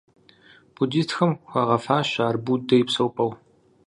Буддистхэм хуагъэфащэ ар Буддэ и псэупӀэу.